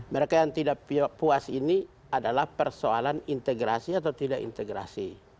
mereka yang tidak puas ini adalah persoalan integrasi atau tidak integrasi